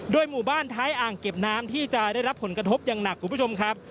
หมู่บ้านท้ายอ่างเก็บน้ำที่จะได้รับผลกระทบอย่างหนักคุณผู้ชมครับ